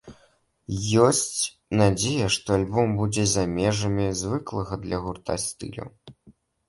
Ёсць надзея, што альбом будзе за межамі звыклага для гурта стылю.